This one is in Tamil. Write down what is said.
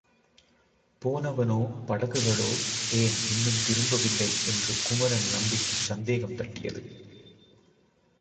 போனவனோ, படகுகளோ ஏன் இன்னும் திரும்பவில்லை என்று குமரன் நம்பிக்குச் சந்தேகம் தட்டியது.